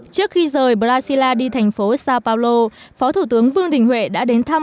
trước khi rời brazil đi thành phố sao paulo phó thủ tướng vương đình huệ đã đến thăm